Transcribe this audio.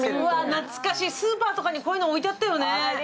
懐かしい、スーパーとかにこういうの置いてあったよね。